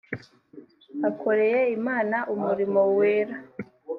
akoreye imana umurimo wera